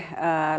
yang menurut saya